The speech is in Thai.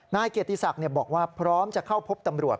นายเกียรติศักดิ์บอกว่าพร้อมจะเข้าพบตำรวจ